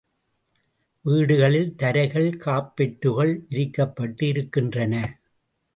வீடுகளில் தரைகள் கார்ப்பெட்டுகள் விரிக்கப்பட்டு இருக்கின்றன.